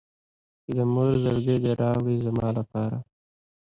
چې د مور زړګی دې راوړي زما لپاره.